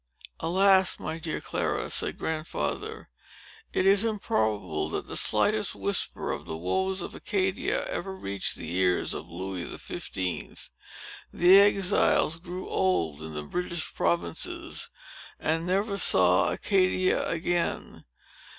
"Alas, my dear Clara," said Grandfather, "it is improbable that the slightest whisper of the woes of Acadia ever reached the ears of Louis the Fifteenth. The exiles grew old in the British provinces, and never saw Acadia again.